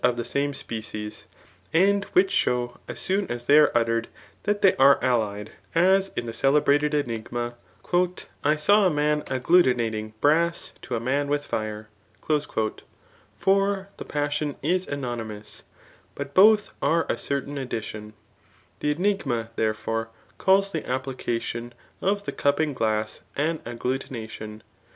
in RHSTojuffi^'^ ' v' eu V Same species,' and which «libw as soon a8'they(are uttered distt they are allied ; as in that celebrated enigma, *^ I saw a man agglutinating brass to a man with fire/' For the passion is anonymoas. But both are a certain addi« tion. The enigma, therefore, calls the application of the cupping glass an agglutination.